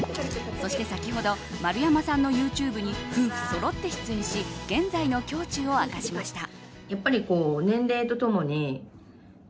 そして先ほど丸山さんのＹｏｕＴｕｂｅに夫婦そろって出演し現在の胸中を明かしました。